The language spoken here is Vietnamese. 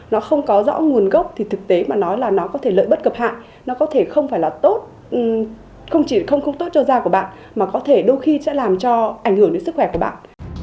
nó không có rõ nguồn gốc thì thực tế mà nói là nó có thể lợi bất cập hại nó có thể không phải là tốt không chỉ không tốt cho da của bạn mà có thể đôi khi sẽ làm cho ảnh hưởng đến sức khỏe của bạn